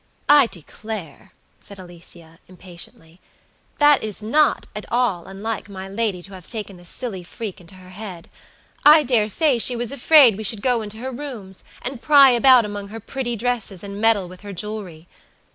"I declare," said Alicia, impatiently, "that is not at all unlike my lady to have taken this silly freak into her head. I dare say she was afraid we should go into her rooms, and pry about among her pretty dresses, and meddle with her jewelry.